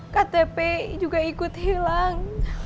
ktp juga ikut hilang